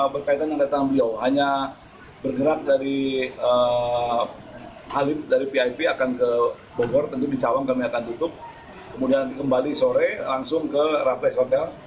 pembangunan ini akan ke bogor tentu di cawang kami akan tutup kemudian kembali sore langsung ke rampai soka